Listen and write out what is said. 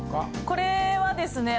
これはですね